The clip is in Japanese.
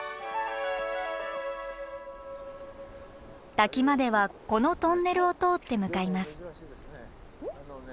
滝まではこのトンネルを通って向かいます。